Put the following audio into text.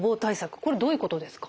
これどういうことですか？